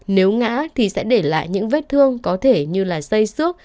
nếu ngã thì sẽ để lại những vết thương có thể như là dây xước